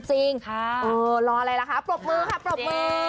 โอ่เราร้องอะไรละคะปลอบมือค่ะปลอบมือ